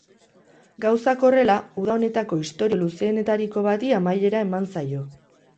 Gauzak horrela, uda honetako istorio luzeenetariko bati amaiera eman zaio.